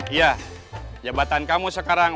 iya jabatan kamu sekarang